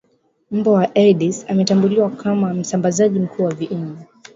Mbu wa Aedes ametambuliwa kama msambazaji mkuu wa viini